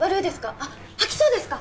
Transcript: あっ吐きそうですか